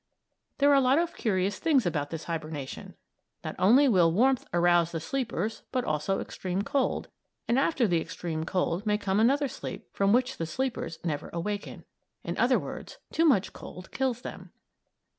There are a lot of curious things about this hibernation. Not only will warmth arouse the sleepers but also extreme cold, and after the extreme cold may come another sleep from which the sleepers never awaken; in other words, too much cold kills them.